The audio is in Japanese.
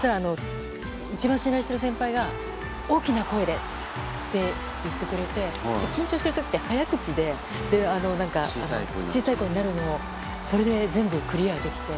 一番信頼している先輩が大きな声で言ってくれて緊張している時は、早口で小さい声になるのもそれで全部クリアできて。